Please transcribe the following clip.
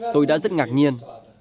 tôi đã rất ngạc nhiên